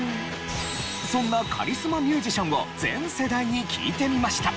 そんなカリスマミュージシャンを全世代に聞いてみました。